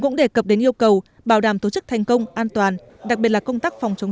cũng đề cập đến yêu cầu bảo đảm tổ chức thành công an toàn đặc biệt là công tác phòng chống